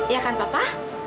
ya kan papa